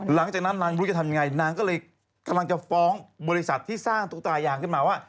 หลังจากนั้นนางไม่รู้จะทำยังไงนางก็เลยกำลังจะฟ้องบริษัทที่สร้างตุ๊กตายางขึ้นมาว่า